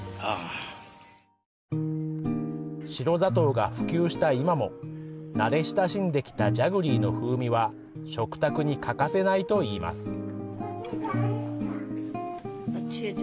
白砂糖が普及した今も慣れ親しんできたジャグリーの風味は食卓に欠かせないといいます。